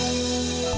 ya makasih ya